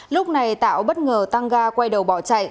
lúc này tạo bất ngờ tăng ga quay đầu bỏ chạy